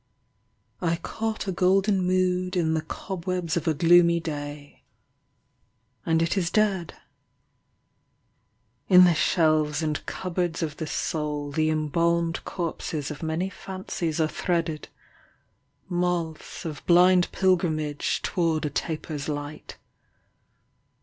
I CAUGHT a golden mood in the cobwebs of a gloomy day — And it is dead — In the shelves and cupboards of the soul The embalmed corpses of many fancies are threaded, — Moths of blind pilgrimage toward A taper's light.